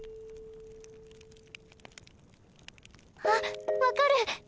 あっ分かる。